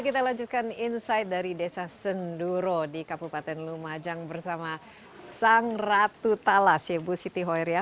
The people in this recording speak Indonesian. kita lanjutkan insight dari desa senduro di kabupaten lumajang bersama sang ratu talas ya bu siti hoir ya